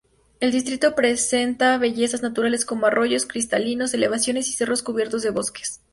El distrito presenta bellezas naturales como: arroyos cristalinos, elevaciones y cerros cubiertos de bosques.